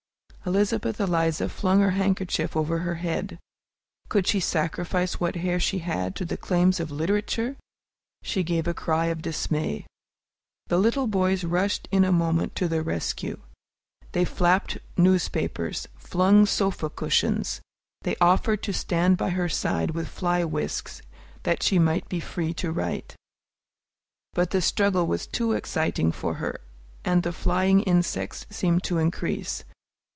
Elizabeth Eliza flung her handkerchief over her head. Could she sacrifice what hair she had to the claims of literature? She gave a cry of dismay. The little boys rushed in a moment to the rescue. They flapped newspapers, flung sofa cushions; they offered to stand by her side with fly whisks, that she might be free to write. But the struggle was too exciting for her, and the flying insects seemed to increase.